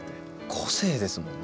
個性ですもんね。